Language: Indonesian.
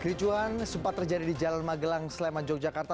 kericuan sempat terjadi di jalan magelang sleman yogyakarta